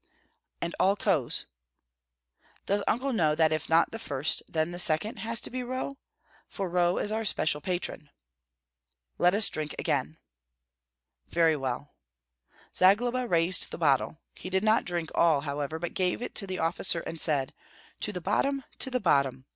"And all Rohs?" "Does Uncle know that if not the first, then the second, has to be Roh? for Roh is our special patron." "Let us drink again." "Very well." Zagloba raised the bottle; he did not drink all, however, but gave it to the officer and said, "To the bottom, to the bottom!